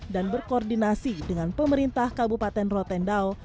dan berkoordinasi dengan pemerintah kabupaten rotendao